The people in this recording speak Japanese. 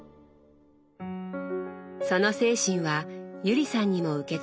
その精神は友里さんにも受け継がれています。